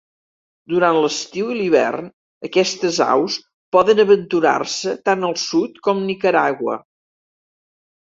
Durant l'estiu i l'hivern, aquestes aus poden aventurar-se tan al sud com Nicaragua.